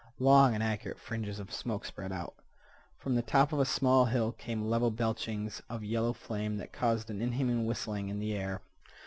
Long and accurate fringes of smoke spread out. From the top of a small hill came level belchings of yellow flame that caused an inhuman whistling in the air.